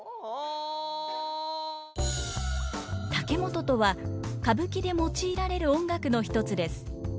竹本とは歌舞伎で用いられる音楽の一つです。